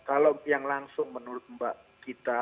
kalau yang langsung menurut mbak kita